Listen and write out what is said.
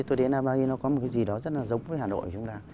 vì albania nó có một cái gì đó rất là giống với hà nội của chúng ta